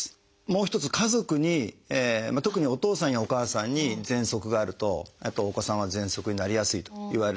もう一つ家族に特にお父さんやお母さんにぜんそくがあるとお子さんはぜんそくになりやすいといわれているんですけども。